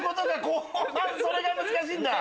後半それが難しいんだ。